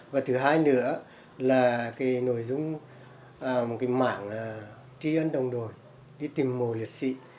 và thứ hai nữa là cái nội dung một cái mảng tri ân đồng đội đi tìm mộ liệt sĩ